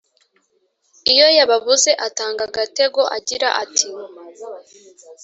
iyo yababuze atanga agategoagira ati